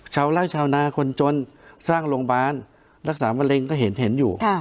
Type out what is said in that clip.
ชาวไล่ชาวนาคนจนสร้างโรงพยาบาลรักษามะเร็งก็เห็นอยู่